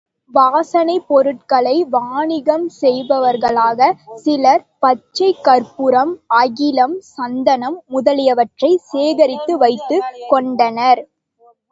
வாசனைப் பொருள்களை வாணிகம் செய்பவர்களாகச் சிலர் பச்சைக் கருப்பூரம், அகிலம், சந்தனம் முதலியவற்றைச் சேகரித்து வைத்துக் கொண்டனர்.